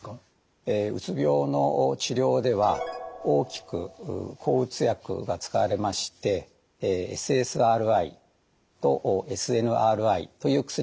うつ病の治療では大きく抗うつ薬が使われましてＳＳＲＩとＳＮＲＩという薬がございます。